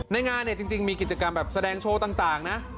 งานเนี่ยจริงมีกิจกรรมแบบแสดงโชว์ต่างนะ